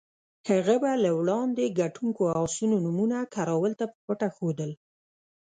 هغه به له وړاندې ګټونکو اسونو نومونه کراول ته په پټه ښودل.